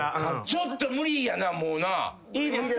ちょっと無理やなもうな。